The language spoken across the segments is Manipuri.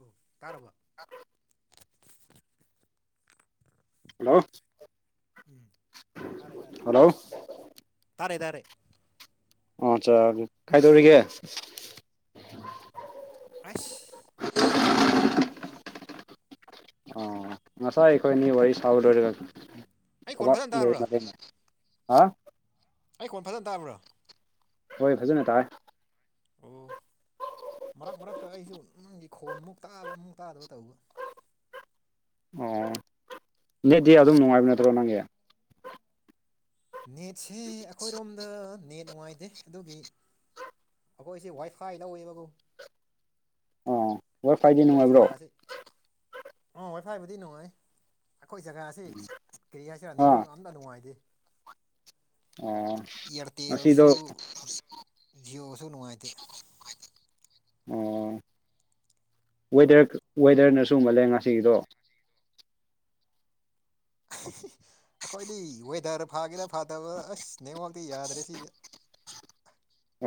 ꯑꯣ ꯇꯥꯔꯕ [unintelligible] ꯍꯜꯂꯣ ꯎꯝ ꯇꯥꯔꯦ ꯇꯥꯔꯦ ꯍꯜꯂꯣ ꯇꯥꯔꯦ ꯇꯥꯔꯦ ꯑꯣ ꯑꯆꯥꯖꯤ ꯀꯩꯗꯧꯔꯤꯒꯦ ꯑꯥꯏꯁ ꯑꯁꯨꯝ ꯂꯩꯔꯤꯗ ꯑꯣ ꯉꯁꯥꯏ ꯑꯩꯈꯣꯏ ꯑꯅꯤ ꯋꯥꯔꯤ ꯁꯥꯕ ꯂꯣꯏꯔꯒ ꯑꯩ ꯈꯣꯟ ꯊꯕꯛ ꯐꯖꯅ ꯇꯥꯕ꯭ꯔꯥ ꯂꯩꯃꯅꯦꯅꯦ ꯑꯥ ꯑꯩ ꯈꯣꯟ ꯐꯖꯟ ꯇꯥꯕ꯭ꯔꯣ ꯍꯣꯏ ꯐꯖꯅ ꯇꯥꯏ ꯑꯣ ꯃꯔꯛ ꯃꯔꯛꯇ ꯑꯩꯁꯨ ꯅꯪꯒꯤ ꯈꯣꯟ ꯑꯃꯨꯛ ꯇꯥꯕ ꯑꯃꯨꯛ ꯇꯥꯗꯕ ꯇꯧꯕ ꯑꯣ ꯅꯦꯠꯗꯤ ꯑꯗꯨꯝ ꯅꯨꯡꯉꯥꯏꯕ ꯅꯠꯇ꯭ꯔꯣ ꯅꯪꯒꯤ ꯅꯦꯠꯁꯦ ꯑꯩꯈꯣꯏꯔꯣꯝꯗ ꯅꯦꯠ ꯅꯨꯡꯉꯥꯏꯇꯦ ꯑꯗꯨꯒꯤ ꯑꯈꯣꯏꯁꯦ ꯋꯥꯏ ꯐꯥꯏ ꯂꯧꯋꯦꯕ ꯀꯣ ꯑꯣ ꯋꯥꯏ ꯐꯥꯏꯗꯤ ꯑꯈꯣꯏ ꯅꯨꯡꯉꯥꯏꯕ꯭ꯔꯣ ꯖꯒꯥꯁꯤ ꯑꯥ ꯋꯥꯏꯐꯥꯏꯕꯨꯗꯤ ꯅꯨꯡꯉꯥꯏ ꯑꯈꯣꯏ ꯖꯒꯥꯁꯤ ꯀꯔꯤ ꯍꯥꯏꯁꯤꯔꯥ ꯑꯥ ꯅꯦꯋꯥꯛ ꯑꯝꯇ ꯅꯨꯡꯉꯥꯏꯇꯦ ꯑꯣ ꯉꯁꯤꯗꯣ ꯏꯌꯥꯔꯇꯦꯜꯗꯁꯨ ꯖꯤꯌꯣꯁꯨ ꯅꯨꯡꯉꯥꯏꯇꯦ ꯑꯣ ꯋꯦꯗꯔ ꯋꯦꯗꯔꯅꯁꯨꯨ ꯃꯥꯜꯂꯦ ꯉꯁꯤꯒꯤꯗꯣ ꯑꯩꯈꯣꯏꯗꯤ ꯋꯦꯗꯔ ꯐꯥꯒꯦꯔꯥ ꯐꯥꯗꯕ ꯑꯁ ꯅꯦꯛꯋꯥꯛꯇꯤ ꯌꯥꯗ꯭ꯔꯦ ꯁꯤꯗꯤ꯫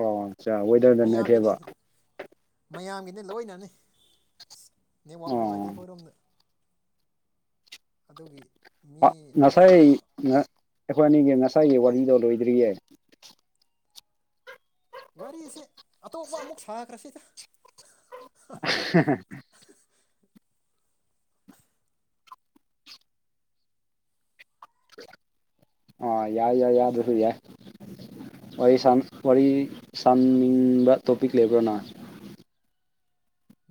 [unintelligible] ꯋꯦꯗꯔꯗ ꯃꯌꯥꯝꯒꯤꯅꯦ ꯅꯠꯇꯦꯕ ꯃꯌꯥꯝꯒꯤꯅꯦ ꯂꯣꯏꯅꯅꯤ꯫ ꯅꯦꯠꯋꯥꯛ ꯑꯣ ꯅꯨꯡꯉꯥꯏꯇꯦ ꯑꯩꯈꯣꯏꯔꯣꯝꯗ ꯑꯗꯨꯒꯤ꯫ ꯃꯤ ꯉꯁꯥꯏ ꯑꯌꯥꯝꯕ ꯑꯩꯈꯣꯏ ꯑꯅꯤꯒꯤ ꯉꯁꯥꯏꯒꯤ ꯋꯥꯔꯤꯗꯣ ꯂꯣꯏꯗ꯭ꯔꯤꯌꯦ꯫ ꯋꯥꯔꯤꯁꯦ ꯑꯇꯣꯞꯄ ꯑꯃꯨꯛ ꯁꯥꯈ꯭ꯔꯁꯤꯗ ꯍꯥ ꯍꯥ ꯍꯥ ꯑ ꯌꯥ ꯌꯥ ꯌꯥꯕ [unintelligible] ꯌꯥ ꯋꯥꯔꯤ ꯋꯥꯔꯤ ꯁꯥꯥꯟꯅꯤꯡꯕ ꯇꯣꯄꯤꯛ ꯂꯩꯕ꯭ꯔꯥꯅ꯫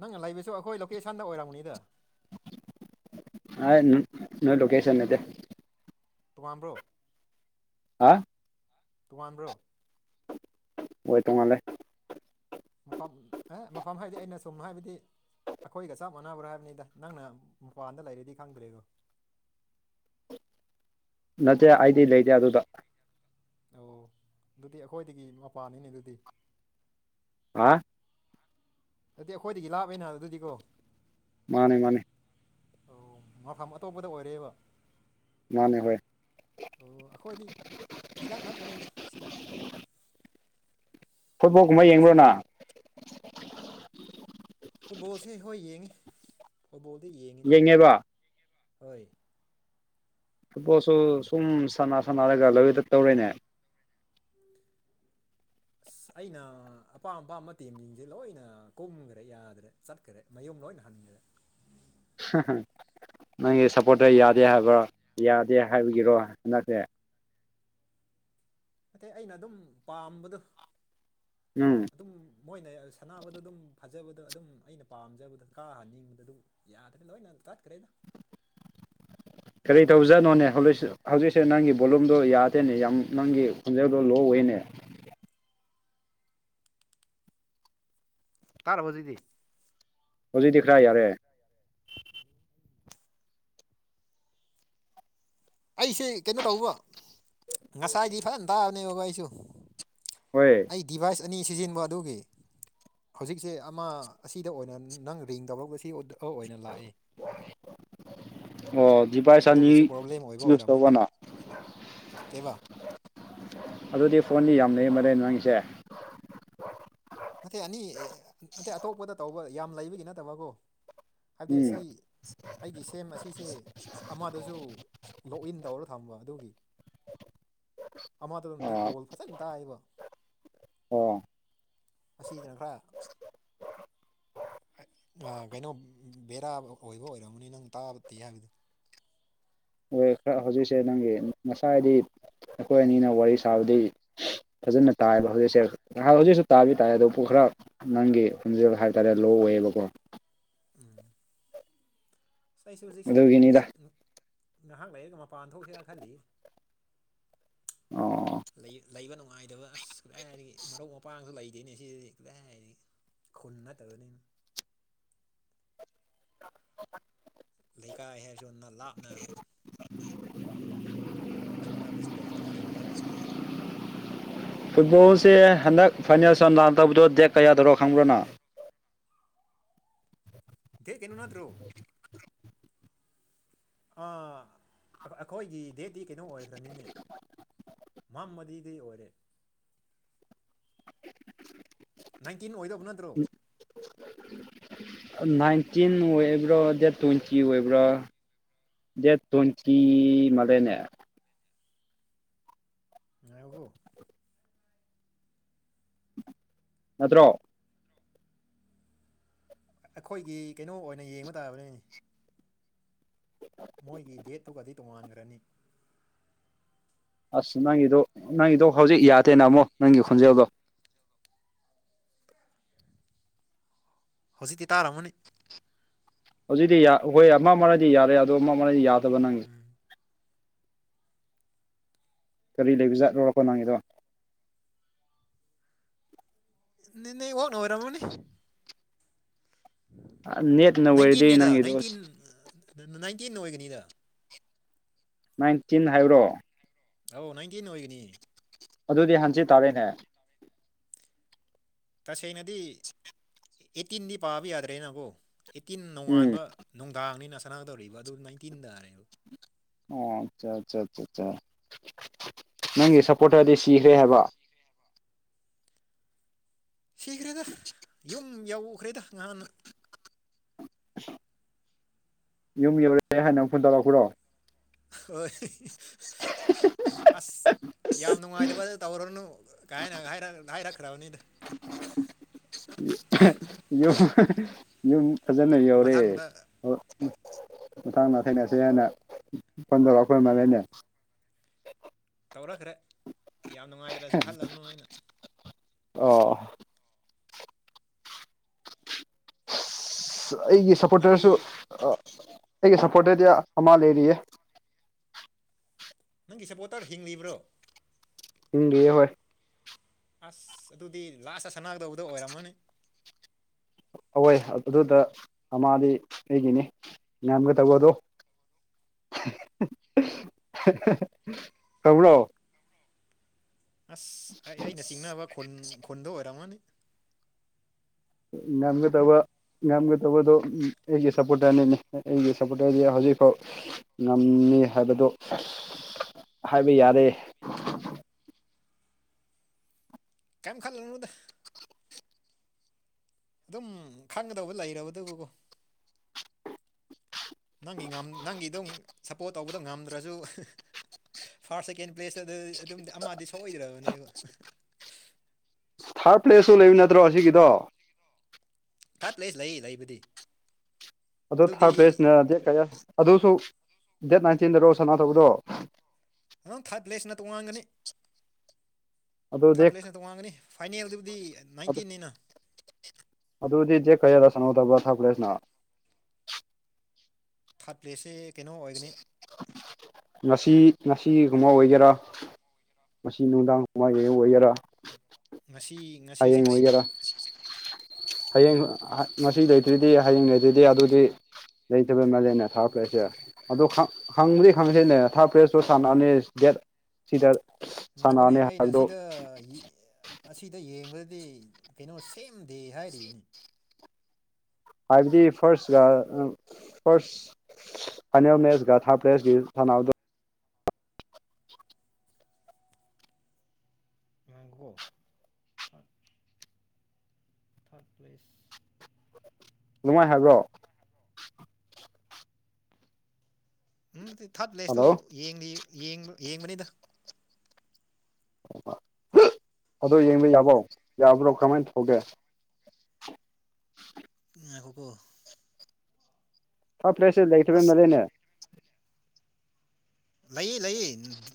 ꯅꯪꯅ ꯂꯩꯕꯁꯨ ꯑꯩꯈꯣꯏ ꯂꯣꯀꯦꯁꯟꯗ ꯑꯣꯏꯔꯝꯝꯕꯅꯤꯗ ꯑ ꯅꯣꯏ ꯂꯣꯀꯦꯁꯟ ꯏꯗꯦ꯫ ꯇꯣ ꯋꯥꯕ꯭ꯔꯣ꯫ ꯑꯥ ꯇꯣꯉꯥꯟꯕ꯭ꯔꯣ꯫ ꯍꯣꯏ ꯇꯣꯡꯉꯥꯜꯂꯦ꯫ ꯃꯐꯝ ꯑꯦ ꯃꯐꯝ ꯍꯥꯏꯕꯗꯤ ꯑꯩꯅ ꯁꯨꯝ ꯍꯥꯏꯕꯗꯤ ꯑꯩꯈꯣꯏꯒ ꯆꯞ ꯃꯥꯟꯅꯕ꯭ꯔꯥ ꯍꯥꯏꯕꯅꯤꯗ ꯅꯪꯅ ꯃꯄꯥꯟꯗ ꯂꯩꯔꯗꯤ ꯈꯪꯗ꯭ꯔꯦꯒꯣ ꯅꯠꯇꯦ ꯑꯩꯗꯤ ꯂꯩꯇꯦ ꯑꯗꯨꯗ ꯑꯣ ꯑꯗꯨꯗꯤ ꯑꯩꯈꯣꯏꯗꯒꯤ ꯃꯄꯥꯅꯤꯅꯦ ꯑꯗꯨꯗꯤ ꯍꯥ꯫ ꯑꯗꯨꯠꯇꯗꯤ ꯑꯩꯈꯣꯏꯗꯒꯤ ꯂꯥꯛꯑꯕꯅꯤꯅ ꯑꯗꯨꯗꯤꯀꯣ꯫ ꯃꯥꯅꯦ ꯃꯥꯅꯦ ꯑꯣ ꯉꯐꯝ ꯑꯇꯣꯞꯄꯗ ꯑꯣꯏꯔꯦꯕ ꯃꯥꯅꯦ ꯍꯣꯢ ꯑꯣ ꯑꯩꯈꯣꯏꯗꯤ ꯏꯅꯥꯛ ꯅꯛꯄꯅꯤꯗ ꯁꯤꯗ꯫ ꯐꯨꯠꯕꯣꯜ ꯍꯥꯏꯗꯤ ꯀꯨꯝꯕ ꯅꯣꯏ ꯁꯤꯗ ꯌꯦꯡꯕꯣꯅꯪ ꯐꯨꯠꯕꯣꯜꯁꯤ ꯍꯣꯏ ꯌꯦꯡꯉꯤ ꯐꯨꯠꯕꯣꯜꯗ ꯌꯦꯡꯉꯤꯅ꯫ ꯌꯦꯡꯉꯦꯕ ꯍꯣꯏ꯫ ꯐꯨꯠꯕꯣꯜꯁꯨ ꯁꯨꯝ ꯁꯥꯟꯅ ꯁꯅꯔꯒ ꯂꯣꯏꯗ ꯇꯧꯔꯦꯅꯦ [unintelligible] [inaudible] ꯑꯁ ꯑꯩꯅ ꯑꯄꯥꯝ ꯑꯄꯥꯝꯕ ꯇꯦꯝꯁꯤꯡꯁꯦ ꯂꯣꯏꯅ ꯀꯨꯝꯈ꯭ꯔꯦ ꯌꯥꯗ꯭ꯔꯦ ꯆꯠꯈ꯭ꯔꯦ꯫ ꯃꯌꯨꯝꯗ ꯂꯣꯏ ꯑꯣꯏꯅ ꯍꯟꯅꯤꯡꯔꯦ꯫ ꯅꯪꯒꯤ ꯁꯞꯄꯣꯔꯠꯇ ꯌꯥꯗꯦ ꯍꯥꯏꯕ꯭ꯔꯣ ꯌꯥꯗꯦ ꯍꯥꯏꯕꯒꯤꯔꯣꯟ ꯅꯠꯇꯦ꯫ ꯅꯠꯇꯦ ꯑꯩꯅ ꯑꯗꯨꯝ ꯄꯥꯝꯕꯗꯨ꯫ ꯎꯝ ꯑꯗꯨꯝ ꯃꯣꯏꯅ ꯁꯅꯕꯗ ꯑꯗꯨꯝ ꯐꯖꯕꯗ ꯑꯗꯨꯝ ꯑꯩꯅ ꯄꯥꯝꯖꯕꯗ ꯀꯥ ꯍꯟꯅꯤꯡꯕꯗ ꯑꯗꯨꯝ ꯌꯥꯗ꯭ꯔꯦ ꯅꯣꯏ ꯅꯪ ꯇꯠꯈ꯭ꯔꯦꯅ [inaudible] ꯀꯔꯤ ꯇꯧꯖꯥꯅꯣꯅꯦ ꯍꯧꯖꯤꯛ ꯍꯧꯖꯤꯛꯁꯦ ꯅꯪꯒꯤ ꯕꯣꯂꯨꯝꯗꯣ ꯌꯥꯗꯦꯅꯦ ꯌꯥꯝ ꯅꯪꯒꯤ ꯈꯣꯟꯖꯦꯜꯗꯣ ꯂꯣ ꯑꯣꯏꯅꯦ ꯇꯔꯕꯖꯩꯗꯤ ꯍꯧꯖꯤꯛꯇꯤ ꯈꯔ ꯌꯥꯔꯦ꯫ ꯑꯩꯁꯦ ꯀꯩꯅꯣ ꯇꯧꯕ ꯉꯁꯥꯏꯗꯤ ꯐꯖꯅ ꯇꯥꯕꯅꯦꯕꯕ ꯑꯩꯁꯨ ꯍꯣꯏ꯫ ꯑꯩ ꯗꯤꯚꯥꯏꯁ ꯑꯅꯤ ꯁꯤꯖꯤꯟꯕ ꯑꯗꯨꯒꯤ ꯍꯧꯖꯤꯛꯁꯦ ꯑꯃ ꯑꯁꯤꯗ ꯑꯣꯏꯅ ꯅꯪ ꯔꯤꯡ ꯇꯧꯔ ꯁꯤ꯫ ꯑꯧ ꯑꯣꯏꯅ ꯂꯥꯛꯏ ꯑꯣ ꯗꯤꯚꯥꯏꯁ ꯑꯅꯤ ꯑꯗꯨꯒꯤꯁꯨ ꯄ꯭ꯔꯣꯕ꯭ꯂꯦꯝ ꯑꯣꯏꯕ ꯌꯨꯁ ꯑꯣꯏꯔꯝꯃꯅꯤ ꯇꯧꯕꯅꯣ꯫ ꯀꯩꯕ ꯑꯗꯨꯗꯤ ꯐꯣꯟꯗꯤ ꯌꯥꯝꯅꯩ ꯃꯔꯦꯟ ꯅꯪꯒꯤꯁꯦ ꯃꯊꯦ ꯑꯅꯤ ꯅꯇꯩ ꯑꯇꯣꯞꯄꯗ ꯇꯧꯕ ꯌꯥꯝ ꯂꯩꯕꯒꯤ ꯅꯠꯇꯕꯀꯣ꯫ ꯍꯥꯏꯕꯗꯤ ꯎꯝ ꯑꯁꯤ ꯑꯩꯒꯤ꯫ ꯁꯦꯝ ꯑꯁꯤꯁꯦ ꯑꯃꯗꯁꯨ ꯂꯣꯛꯏꯟ ꯇꯧꯔ ꯊꯝꯕ ꯑꯗꯨꯒꯤ ꯑꯃꯗꯨꯃꯗꯤ ꯑꯣ ꯀꯣꯜ ꯐꯖꯅ ꯇꯥꯏꯑꯦꯕ ꯑꯣ ꯑꯁꯤꯅ ꯈꯔ ꯀꯩꯅꯣ ꯕꯦꯔꯥ ꯑꯣꯏꯕ ꯑꯣꯏꯔꯝꯃꯅꯤ ꯅꯪ ꯇꯥꯕꯗꯤ ꯍꯥꯏꯕꯗꯨ꯫ ꯍꯣꯏ ꯈꯔ ꯍꯧꯖꯤꯛꯁꯦ ꯅꯪꯒꯤ ꯉꯁꯥꯏꯗꯤ ꯑꯩꯈꯣꯏ ꯑꯅꯤꯅ ꯋꯥꯔꯤ ꯁꯥꯕꯗꯤ꯫ ꯐꯖꯅ ꯇꯥꯏꯑꯦꯕ ꯍꯧꯖꯤꯛꯁꯦ ꯍꯧꯖꯤꯛꯁꯨ ꯇꯥꯕꯤ ꯇꯥꯏ ꯑꯗꯨꯄꯨ ꯈꯔ ꯅꯪꯒꯤ ꯈꯣꯟꯖꯦꯜ ꯍꯥꯏꯇꯥꯔꯦ ꯂꯣ ꯑꯣꯏꯌꯦꯕꯀꯣ꯫ ꯎꯝ ꯑꯁ ꯑꯩꯁꯨ ꯍꯧꯖꯤꯛꯁꯤ ꯑꯗꯨꯒꯤꯅꯤꯗ ꯉꯥꯏꯍꯥꯛ ꯂꯩꯔꯒ ꯃꯄꯥꯟ ꯊꯣꯛꯁꯤꯔ ꯈꯜꯂꯤ꯫ ꯑꯣ ꯂꯩꯕ ꯅꯨꯡꯉꯥꯏꯇꯕ ꯑꯁ ꯀꯥꯗꯥꯏꯗꯒꯤ ꯃꯔꯨꯞ ꯃꯄꯥꯡ ꯂꯩꯇꯦꯅꯦ ꯁꯤꯗꯗꯤ ꯀꯗꯥꯏꯗꯒꯤ ꯈꯨꯟ ꯅꯠꯇꯕꯅꯤ ꯂꯩꯀꯥꯏ ꯍꯥꯏꯔꯁꯨ ꯂꯥꯞꯅꯔꯦ ꯈꯪꯅꯕꯁꯨ ꯂꯩꯇ꯭ꯔꯦ ꯎꯝ ꯐꯨꯠꯕꯣꯜꯁꯦ ꯍꯟꯗꯛ ꯐꯥꯏꯅꯦꯜ ꯁꯥꯟꯗꯧꯕꯗꯣ ꯗꯦꯠ ꯀꯌꯥꯗꯅꯣ ꯈꯪꯕ꯭ꯔꯣ ꯅꯪ ꯗꯦꯠ ꯀꯩꯅꯣ ꯅꯠꯇ꯭ꯔꯣ ꯑꯩꯈꯣꯏꯒꯤ ꯗꯦꯠꯇꯤ ꯀꯩꯅꯣ ꯑꯣꯏꯕꯅꯤꯅꯦ ꯃꯝꯃꯗꯤꯗꯤ ꯑꯣꯏꯔꯦ ꯅꯥꯏꯟꯇꯤꯟ ꯑꯣꯏꯗꯧꯕ ꯅꯠꯇ꯭ꯔꯣ [unintelligible] ꯅꯥꯏꯟꯇꯤꯟ ꯑꯣꯏꯕ꯭ꯔꯥ ꯗꯦꯠ ꯇ꯭ꯋꯦꯟꯇꯤ ꯑꯣꯏꯕ꯭ꯔꯥ ꯗꯦꯠ ꯇ꯭ꯋꯦꯟꯇꯤ ꯃꯥꯜꯂꯦꯅꯦ ꯉꯥꯏꯈꯣꯀꯣ ꯅꯠꯇ꯭ꯔꯣ꯫ ꯑꯩꯈꯣꯏꯒꯤ ꯀꯩꯅꯣ ꯑꯣꯏꯅ ꯌꯦꯡꯕ ꯇꯥꯕꯅꯤꯅꯦ꯫ ꯃꯣꯏꯒꯤ ꯗꯦꯠꯇꯨꯒꯗꯤ꯫ ꯇꯣꯉꯥꯟꯒ꯭ꯔꯅꯤ ꯑꯁ ꯅꯪꯒꯤꯗꯣ ꯅꯪꯒꯤꯗꯣ ꯍꯧꯖꯤꯛ ꯌꯥꯗꯦꯅ ꯑꯃꯨꯛ ꯅꯪꯒꯤ ꯈꯣꯟꯖꯦꯜꯗꯣ ꯍꯧꯖꯤꯛꯇꯤ ꯇꯥꯔꯝꯃꯅꯤ꯫ ꯍꯧꯖꯤꯛꯇꯤ ꯌꯥ ꯍꯣꯏ ꯑꯃ ꯃꯔꯗꯤ ꯌꯥꯔꯦ ꯑꯗꯣ ꯑꯃ ꯃꯔꯗꯤ ꯌꯥꯗꯕꯅ ꯎꯝ ꯀꯔꯤ ꯂꯩꯕꯖꯥꯠꯅꯣ ꯅꯪꯒꯤꯗꯣ [unintelligible] ꯑꯣꯏꯔꯝꯃꯅꯤ ꯅꯦꯠꯅ ꯑꯣꯏꯔꯗꯤ ꯅꯥꯏꯟꯇꯤꯟꯅꯤꯗ ꯅꯪꯒꯤꯗꯣ ꯅꯥꯏꯟꯇꯤꯟ ꯅꯥꯏꯟꯇꯤꯟ ꯑꯣꯏꯒꯅꯤꯗ ꯅꯥꯏꯟꯇꯤꯟ ꯍꯥꯏꯕ꯭ꯔꯣ ꯑꯧ ꯅꯥꯏꯟꯇꯤꯟ ꯑꯣꯏꯒꯅꯤ ꯑꯗꯨꯗꯤ ꯍꯪꯆꯤꯠ ꯇꯥꯔꯦꯅꯦ ꯇꯁꯦꯡꯅꯗꯤ ꯑꯩꯠꯇꯤꯟꯗꯤ ꯄꯥꯕ ꯌꯥꯗ꯭ꯔꯦꯅꯀꯣ ꯑꯩꯠꯇꯤꯟ ꯎꯝ ꯅꯣꯡꯉꯥꯟꯕ ꯅꯨꯡꯗꯥꯡꯅꯤꯅ ꯁꯅꯥꯒꯗꯧꯔꯤꯕ ꯑꯗꯨ ꯅꯥꯏꯟꯇꯤꯟ ꯇꯥꯔꯦꯕ ꯑꯣ ꯑꯠꯆꯥ ꯑꯠꯆꯥ ꯑ ꯑ ꯅꯪꯒꯤ ꯁꯞꯄꯣꯔꯠꯇꯔꯗꯤ ꯁꯤꯈ꯭ꯔꯦ ꯍꯥꯏꯕ ꯁꯤꯈ꯭ꯔꯦꯗ ꯌꯨꯝ ꯌꯧꯈ꯭ꯔꯦꯗ ꯉꯍꯥꯟꯅ꯫ ꯌꯨꯝ ꯌꯧꯔꯦ ꯍꯥꯏꯅ ꯐꯣꯟ ꯇꯧꯔꯛꯄꯔꯣ ꯍꯣꯏ ꯎ ꯍꯍ ꯑꯁ ꯌꯥꯝ ꯅꯨꯡꯉꯥꯏꯇꯕ ꯇꯧꯔꯅꯨ ꯀꯥꯏ ꯍꯥꯏꯅ ꯍꯥꯏꯔꯛꯈ꯭ꯔꯕꯅꯤꯗ ꯌꯨꯝ ꯐꯖꯅ ꯌꯧꯔꯦ ꯃꯊꯪꯗ ꯃꯊꯪꯗ ꯊꯦꯡꯅꯁꯦ ꯍꯥꯏꯅ ꯐꯣꯟ ꯇꯧꯔꯛꯄ ꯎꯝ ꯃꯥꯜꯂꯦꯅꯦ ꯇꯧꯔꯛꯈ꯭ꯔꯦ ꯌꯥꯝ ꯅꯨꯡꯉꯥꯏꯇ꯭ꯔꯁꯨ ꯈꯜꯂꯅꯨ ꯍꯥꯏꯅ ꯑꯣ ꯑꯩꯒꯤ ꯅꯪꯒꯤ ꯁꯞꯄꯣꯔꯇꯔꯁꯨ ꯑꯩꯒꯤ ꯁꯄꯣꯔꯇꯔꯗꯤ ꯑꯃ ꯂꯩꯔꯤꯌꯦ ꯅꯪꯒꯤ ꯁꯄꯣꯔꯇꯔ ꯍꯤꯡꯂꯤꯕ꯭ꯔꯣ ꯏꯤꯡꯗꯦ ꯍꯣꯏ ꯑꯁ ꯑꯗꯨꯗꯤ ꯂꯥꯁꯇ ꯁꯅꯥꯒꯗꯧꯕꯗꯣ ꯑꯣꯏꯔꯝꯃꯅꯤ ꯑꯋꯣꯏ ꯑꯗꯨꯗ ꯃꯥꯗꯤ ꯑꯩꯒꯤꯅꯤ ꯉꯌꯥꯝꯒ ꯇꯧꯕꯗꯣ ꯀꯧꯕ꯭ꯔꯣ ꯑꯁ ꯑꯩ ꯑꯩꯅ ꯆꯤꯡꯅꯕ ꯈꯨꯟ ꯈꯨꯟꯗꯣ ꯑꯣꯏꯔꯝꯃꯅꯤ ꯉꯝꯒꯗꯕ꯫ ꯉꯝꯒꯗꯧꯕꯗꯣ ꯑꯩꯒꯤ ꯁꯞꯄꯣꯔꯇꯔꯅꯤꯅꯦ ꯑꯩꯒꯤ ꯁꯞꯄꯣꯔꯇꯔꯗꯤ ꯍꯧꯖꯤꯛꯐꯥꯎ ꯉꯝꯃꯤ ꯍꯥꯏꯕꯗꯨ ꯍꯥꯏꯕ ꯌꯥꯔꯦ ꯀꯩꯝ ꯈꯜꯂꯨꯗ ꯑꯗꯨꯝ ꯈꯪꯒꯗꯧꯕ ꯂꯩꯔꯕꯗꯨꯕꯨꯀꯣ ꯅꯪꯒꯤ ꯅꯪꯒꯤ ꯑꯗꯨꯝ ꯁꯞꯄꯣꯔꯠ ꯇꯧꯕꯗ ꯉꯝꯗ꯭ꯔꯁꯨ ꯐꯥꯔꯁ ꯁꯦꯀꯦꯟ ꯄ꯭ꯂꯦꯁꯇ ꯑꯗꯨꯝꯗꯤ ꯑꯃꯗꯤ ꯁꯣꯛꯑꯣꯏꯗ꯭ꯔꯕꯅꯦꯕ ꯊꯥꯔꯠ ꯄ꯭ꯂꯦꯁꯁꯨ ꯂꯩꯕ ꯅꯠꯇ꯭ꯔꯣ ꯑꯁꯤꯒꯤꯗꯣ ꯊꯥꯔꯠ ꯄ꯭ꯂꯦꯁ ꯂꯩ ꯂꯩꯕꯗꯤ ꯑꯗꯣ ꯑꯗꯨꯗꯤ ꯊꯥꯔꯠ ꯄ꯭ꯔꯦꯖꯅ ꯗꯦꯠ ꯀꯌꯥ ꯑꯗꯨꯁꯨ ꯗꯦꯠ ꯅꯥꯏꯟꯇꯤꯟꯗꯔꯣ ꯁꯅꯥ ꯊꯧꯕꯗꯣ ꯅꯪ ꯊꯥꯔꯠ ꯄ꯭ꯂꯦꯁꯅ ꯇꯣꯉꯥꯟꯒꯅꯤ ꯑꯗꯨ ꯊꯥꯔꯠ ꯗꯦꯠ ꯄ꯭ꯂꯦꯁꯅꯇ ꯋꯥꯡꯒꯅꯤ ꯐꯥꯏꯅꯦꯜꯗꯨꯕꯨꯗꯤ ꯅꯥꯏꯟꯇꯤꯅꯤꯅ ꯑꯗꯨꯗꯤ ꯆꯖꯦ ꯀꯔꯤꯔ ꯁꯅꯧ ꯇꯕ꯭ꯔꯥ ꯊꯛꯈ꯭ꯔꯦꯁꯤꯅ ꯊꯥꯔꯠ ꯄ꯭ꯂꯦꯁꯁꯦ ꯀꯩꯅꯣ ꯑꯣꯏꯒꯅꯤ ꯉꯁꯤ ꯉꯁꯤꯒꯨꯝꯕꯥꯎ ꯑꯣꯏꯒꯦꯔꯥ꯫ ꯃꯁꯤ ꯅꯨꯡꯗꯥꯡ ꯋꯥꯥꯏ ꯑꯣꯏꯒꯦꯔꯥ ꯉꯁꯤ ꯉꯁꯤꯁꯦ ꯍꯌꯦꯡ ꯂꯩꯇꯦ ꯑꯣꯏꯒꯦꯔꯥ ꯍꯌꯦꯡ ꯃꯁꯤ ꯂꯩꯇ꯭ꯔꯤꯗꯤ ꯍꯌꯦꯡ ꯂꯩꯇ꯭ꯔꯤꯗꯤ ꯑꯗꯨꯗꯤ ꯂꯩꯇꯕꯩ ꯃꯥꯜꯂꯦꯅ ꯊꯥꯔꯛꯄ꯭ꯔꯁꯦ ꯑꯗꯨ ꯈꯪꯕꯗꯤ ꯈꯪꯁꯤꯅꯦ ꯊꯥꯔꯠ ꯄ꯭ꯔꯦꯁꯇ ꯁꯥꯟꯅꯅꯤ ꯗꯦꯠ ꯁꯤꯗ꯫ ꯉꯥꯏꯈꯣꯅꯦ ꯁꯥꯟꯅꯅꯤ ꯑꯩꯅ ꯍꯥꯏꯕꯗꯣ ꯁꯤꯗ ꯑꯁꯤꯗ ꯌꯦꯡꯕꯗꯗꯤ ꯀꯩꯅꯣ ꯁꯦꯝ ꯗꯦ ꯍꯥꯏꯔꯤꯅꯦ ꯍꯥꯏꯕꯗꯤ ꯐꯥꯔꯁꯀ ꯐꯥꯔꯁ ꯐ ꯃꯁꯒꯊ ꯍꯥ ꯄ꯭ꯔꯦꯁ ꯊꯅꯥꯗ [unintelligible] ꯊꯔꯠ ꯄ꯭ꯂꯦꯁ ꯅꯨꯡꯉꯥꯏ ꯍꯥꯏꯕ꯭ꯔꯣ꯫ ꯎꯝꯗꯤ ꯊꯥꯔꯠ ꯂꯦꯁꯇꯨ ꯍꯜꯂꯣ ꯌꯦꯡꯕꯅꯤꯗ ꯑꯗꯣ ꯌꯦꯡꯕ ꯌꯥꯕꯣ ꯌꯥꯕ꯭ꯔꯣ ꯀꯃꯥꯏꯅ ꯇꯧꯒꯦ ꯉꯈꯣꯀꯣ ꯍ ꯐ꯭ꯂꯦꯁꯦ ꯂꯩꯕ ꯑꯁ ꯅ ꯂꯩꯅꯦ ꯂꯩꯌꯦ ꯂꯩꯌꯦ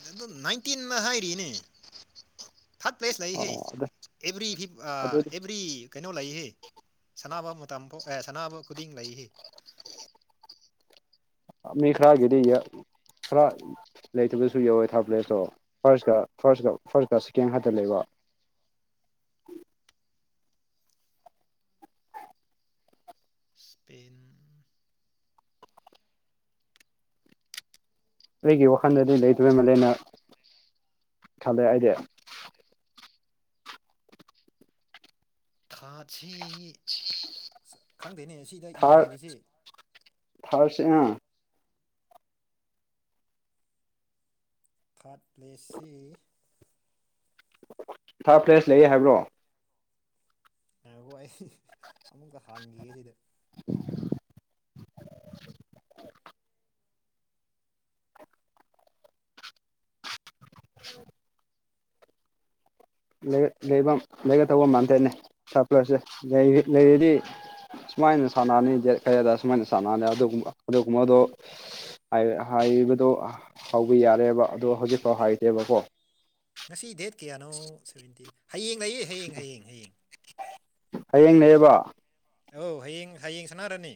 ꯑꯗꯨ ꯅꯥꯏꯟꯇꯤꯟꯅ ꯍꯥꯏꯔꯤꯅꯦ ꯊꯥꯔꯠ ꯄ꯭ꯂꯦꯁ ꯂꯩꯍꯦ ꯑꯣ ꯑꯗꯨ ꯑꯦꯕ꯭ꯔꯤ ꯐꯤ ꯑꯗꯨ ꯑꯦꯕ꯭ꯔꯤ ꯀꯩꯅꯣ ꯂꯩꯏ ꯁꯅꯥꯅꯕ ꯃꯇꯝꯐꯥꯎ ꯑꯦ ꯁꯅꯥꯅꯕ ꯈꯨꯗꯤꯡ ꯂꯩꯈꯤ ꯃꯤ ꯈꯔꯒꯦꯗ ꯏ ꯈꯔ꯫ ꯂꯩꯇꯕꯁꯨ ꯌꯧꯋꯦ ꯊꯥꯔꯠ ꯄ꯭ꯂꯦꯁꯇꯣ ꯐꯥꯔꯁꯀ ꯐꯥꯔꯁꯀ ꯐꯥꯔꯁꯀ ꯁꯦꯀꯦꯟ ꯍꯠꯇ ꯂꯩꯕ ꯁ꯭ꯄꯦꯟ꯫ ꯑꯩꯒꯤ ꯋꯥꯈꯜꯗꯗꯤ ꯂꯩꯗꯕꯩ ꯃꯂꯦꯅ ꯈꯜꯂ ꯑꯩꯗꯤ ꯊꯥꯠꯁꯤ ꯈꯪꯗꯦꯅꯦ ꯁꯤ ꯊꯥ ꯊꯔꯁꯤ ꯑꯥ꯫ ꯊꯥꯠ ꯄ꯭ꯂꯦꯁꯤ ꯊꯥꯔꯠ ꯐ꯭ꯂꯦꯁ ꯂꯩꯌꯦ ꯍꯥꯏꯕ꯭ꯔꯣ ꯕꯨ ꯑꯩ ꯑꯃꯨꯛꯇ ꯍꯥꯡꯈꯤꯌꯦ ꯁꯤꯗ [unintelligible] ꯎ ꯂꯩ ꯂꯩꯒ ꯇꯧꯕ ꯃꯝꯊꯦꯅꯦ ꯁꯔꯄ꯭ꯂꯔꯁꯦ ꯂꯩꯔꯤꯗꯤ ꯁꯨꯃꯥꯏꯅ ꯁꯥꯟꯅꯅꯤ ꯌꯦꯠ ꯀꯌꯥꯗ ꯁꯨꯃꯥꯏꯅ ꯁꯥꯟꯅꯅꯤ ꯑꯗꯨꯒꯕ ꯑꯗꯨꯒꯨꯝꯕꯗꯣ ꯍꯥꯏꯕꯗꯣ ꯍꯧꯕ ꯌꯥꯔꯦꯕ ꯑꯗꯣ ꯍꯧꯖꯤꯛꯐꯥꯎ ꯍꯥꯏꯗꯦꯕꯀꯣ ꯉꯁꯤ ꯗꯦꯠ ꯀꯌꯥꯅꯣ ꯁꯕꯦꯟꯇꯤꯟ ꯍꯌꯦꯡ ꯂꯩꯌꯦ ꯍꯌꯦꯡ ꯍꯌꯦꯡ ꯍꯌꯦꯡ ꯍꯌꯦꯡꯅꯦꯕ ꯑꯧ ꯍꯌꯦꯡ ꯍꯌꯦꯡ ꯁꯥꯟꯅꯥꯔꯅꯤ꯫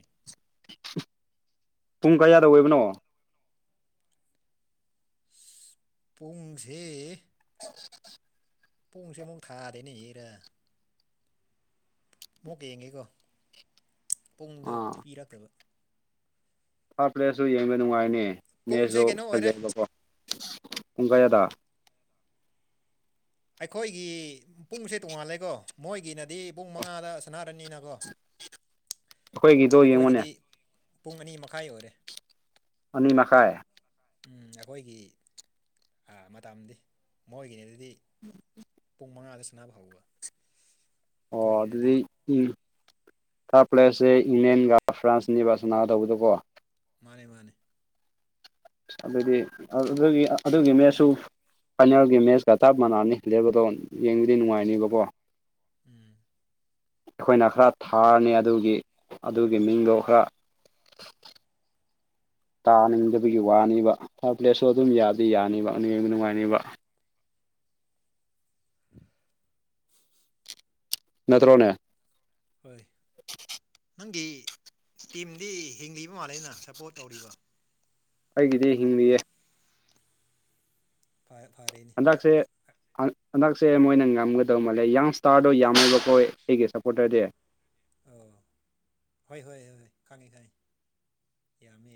ꯄꯨꯡ ꯀꯌꯥꯗ ꯑꯣꯏꯕꯅꯣ꯫ ꯄꯨꯡꯁꯦ ꯍ ꯄꯣꯡꯁꯦ ꯄꯣꯡ ꯊꯥꯗꯩꯅꯦꯔꯥ ꯑꯃꯨꯛꯀ ꯌꯦꯡꯒꯦꯀꯣ ꯄꯨꯡꯗ ꯑꯥ ꯄꯤꯔꯛꯇꯕ ꯊꯥꯔꯠ ꯄ꯭ꯂꯦꯁꯁꯨ ꯌꯦꯡꯕ ꯅꯨꯡꯉꯥꯏꯅꯦ ꯄꯨꯡꯁꯦ ꯃꯦꯠꯁꯁꯨ ꯀꯩꯅꯣ ꯑꯣꯏꯔꯦ ꯐꯖꯩꯑꯕꯀꯣ ꯄꯨꯡ ꯀꯌꯥꯗ ꯑꯩꯈꯣꯏꯒꯤ ꯄꯨꯡꯁꯦ ꯇꯣꯡꯉꯥꯜꯂꯦꯀꯣ ꯃꯣꯏꯒꯤꯅꯗꯤ ꯄꯨꯡ ꯃꯉꯥꯗ ꯁꯅꯔꯅꯤꯅꯀꯣ [unintelligible] ꯑꯩꯈꯣꯏꯒꯤꯗꯣ ꯌꯦꯡꯉꯨꯅꯦ ꯑꯩꯈꯣꯏꯒꯤꯗꯤ ꯄꯨꯡ ꯑꯅꯤ ꯃꯈꯥꯏ ꯑꯣꯏꯔꯦ ꯑꯅꯤ ꯃꯈꯥꯏ ꯎ ꯑꯩꯈꯣꯏꯒꯤ ꯃꯇꯝꯗꯤ ꯃꯣꯏꯒꯤꯅꯦ ꯑꯗꯨꯗꯤ ꯎꯝ ꯄꯨꯡ ꯃꯉꯥꯗ ꯁꯅꯕ ꯍꯧꯥꯎꯕ ꯑꯣ ꯑꯗꯨꯗꯤ ꯎꯝ ꯊꯥꯔꯠ ꯄ꯭ꯂꯦꯁꯁꯦ ꯏꯪꯂꯦꯟꯒ ꯐ꯭ꯔꯥꯟꯁꯅꯤꯕ ꯁꯅꯥꯒ ꯇꯧꯕꯗꯀꯣ ꯃꯥꯅꯦ ꯃꯥꯅꯦ ꯑꯗꯨꯗꯤ ꯑꯗꯨꯒꯤ ꯑꯗꯨꯒꯤ ꯃꯠꯁꯨ ꯐꯥꯏꯅꯦꯜꯒꯤ ꯃꯦꯠꯆꯀ ꯆꯞ ꯃꯥꯟꯅꯅꯤ ꯂꯦꯞꯕꯗꯣ ꯌꯦꯡꯕꯗꯤ ꯅꯨꯡꯉꯥꯏꯅꯤꯕꯀꯣ ꯎꯝ ꯑꯩꯈꯣꯏꯅ ꯈꯔ ꯊꯥꯔꯅꯤ ꯑꯗꯨꯒꯤ ꯑꯗꯨꯒꯤ ꯃꯤꯡꯗꯣ ꯈꯔ [inaudible] ꯇꯥꯅꯤꯡꯗꯕꯒꯤ ꯋꯥꯅꯤꯕ ꯊꯥꯔꯠ ꯄ꯭ꯂꯦꯁꯁꯨ ꯑꯗꯨꯝ ꯌꯥꯗꯤ ꯌꯥꯅꯤꯕ ꯑꯕ ꯅꯨꯡꯉꯥꯏꯅꯤꯕ [inaudible] ꯅꯠꯇ꯭ꯔꯣꯅꯦ ꯍꯣꯏ ꯅꯪꯒꯤ ꯇꯤꯝꯗꯤ ꯍꯤꯡꯂꯤꯕ ꯃꯥꯜꯂꯦꯅ ꯁꯞꯄꯣꯔꯠ ꯇꯧꯔꯤꯕ ꯑꯩꯒꯤꯗꯤ ꯍꯤꯡꯂꯤꯌꯦ ꯐ ꯐꯔꯦ ꯍꯟꯗꯛꯁꯦ ꯍꯟꯗꯛꯁꯦ ꯃꯣꯏꯅ ꯉꯝꯒꯗꯧ ꯃꯥꯜꯂꯦ ꯌꯪ ꯏꯁꯇꯥꯔꯗꯣ ꯌꯥꯝꯃꯕ ꯍꯣꯏ ꯑꯩꯒꯤ ꯁꯞꯄꯣꯔꯇꯔꯗꯤꯦ ꯑꯣ ꯍꯣꯏ ꯍꯣꯏ ꯍꯣꯏ ꯈꯪꯉꯤ ꯈꯪꯉꯤ ꯌꯥꯝꯃꯦ ꯌꯥ